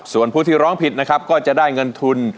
ส่วนผู้ที่ร้องผิดนะครับก็จะได้เงินทุน